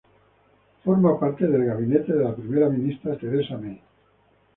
Forma parte del Gabinete de la primera ministra Theresa May.